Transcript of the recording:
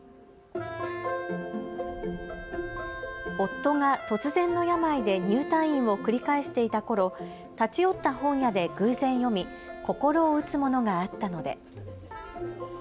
夫が突然の病で入退院を繰り返していたころ、立ち寄った本屋で偶然読み心を打つものがあったので。